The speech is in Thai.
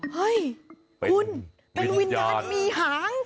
เฮ้ยคุณเป็นวิญญาณมีหาง